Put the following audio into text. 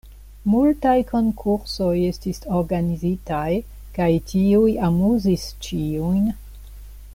Multaj konkursoj estis organizitaj, kaj tiuj amuzis ĉiujn.